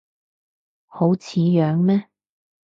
好似樣咩